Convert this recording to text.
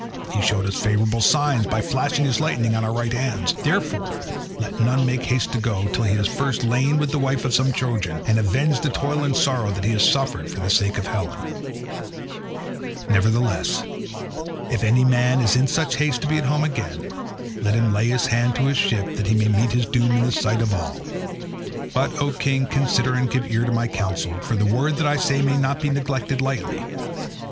He showed us favourable signs by flashing his lightning on our right hands; therefore let none make haste to go till he has first lain with the wife of some Trojan, and avenged the toil and sorrow that he has suffered for the sake of Helen. Nevertheless, if any man is in such haste to be at home again, let him lay his hand to his ship that he may meet his doom in the sight of all. But, O king, consider and give ear to my counsel, for the word that I say may not be neglected lightly.